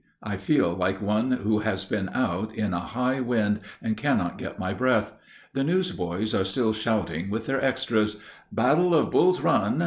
I feel like one who has been out in a high wind, and cannot get my breath. The newsboys are still shouting with their extras, "Battle of Bull's Run!